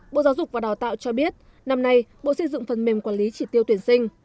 bộ giáo dục và đào tạo cho biết năm nay bộ xây dựng phần mềm quản lý chỉ tiêu tuyển sinh